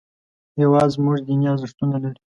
هېواد زموږ دیني ارزښتونه لري